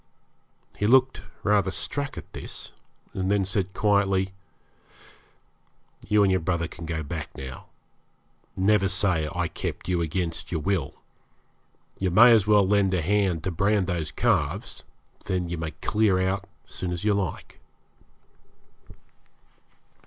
He looked rather struck at this, and then said quietly 'You and your brother can go back now. Never say I kept you against your will. You may as well lend a hand to brand these calves; then you may clear out as soon as you like.'